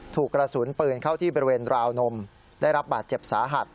ถูกกระสุนปืนเข้าที่บริเวณราวนมได้รับบาดเจ็บสาหัส